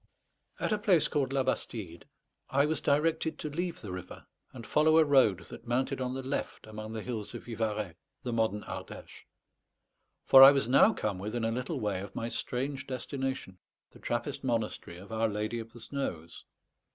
At a place called La Bastide I was directed to leave the river, and follow a road that mounted on the left among the hills of Vivarais, the modern Ardèche; for I was now come within a little way of my strange destination, the Trappist monastery of Our Lady of the Snows.